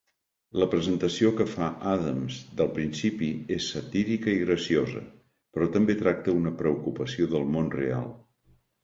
La presentació que fa Adams del principi és satírica i graciosa, però també tracta una preocupació del món real.